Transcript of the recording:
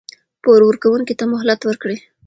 پور ورکوونکي ته مهلت ورکړئ.